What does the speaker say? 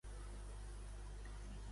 Quan volia venir a Espanya?